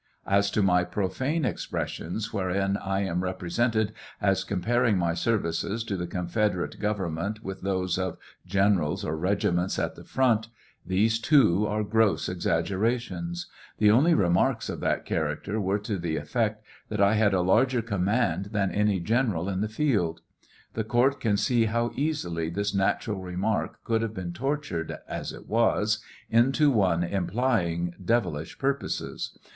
As to my profane expressions wherein 1 am represented as comparing my services to the confederate govern ment with those of generals or regiments at the front, these, too, are gross exag gerations. The only remarks of that character were to the effect that I hat a larger command than any general in the field. The court can see how easily this natural remark could have been tortured, as it was, into one implying dev ilish purposes.